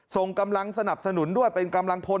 ส่งกำลังสนับสนุนด้วยเป็นกำลังพล